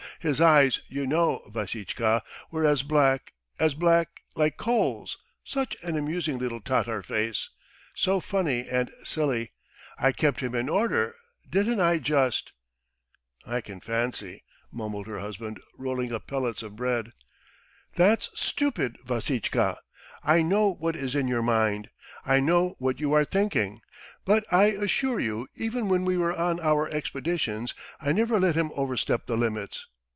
His eyes, you know, Vassitchka, were as black, as black, like coals, such an amusing little Tatar face, so funny and silly! I kept him in order, didn't I just!" "I can fancy ..." mumbled her husband, rolling up pellets of bread. "That's stupid, Vassitchka! I know what is in your mind! I know what you are thinking ... But I assure you even when we were on our expeditions I never let him overstep the limits.